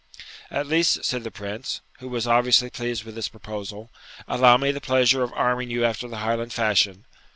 'At least,' said the Prince, who was obviously pleased with this proposal, 'allow me the pleasure of arming you after the Highland fashion.'